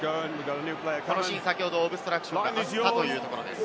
このシーン、先ほどオブストラクションがあったところです。